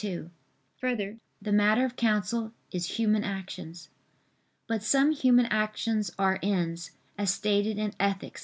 2: Further, the matter of counsel is human actions. But some human actions are ends, as stated in _Ethic.